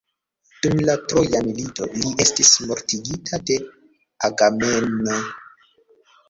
Dum la troja milito, li estis mortigita de Agamemno.